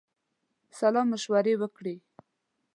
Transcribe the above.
سالامشوره وکړي.